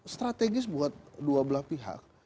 strategis buat dua belah pihak